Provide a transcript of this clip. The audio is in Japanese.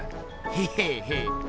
へへへ。